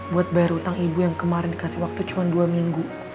buat bayar utang ibu yang kemarin dikasih waktu cuma dua minggu